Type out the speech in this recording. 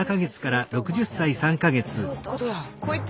そういうことだ。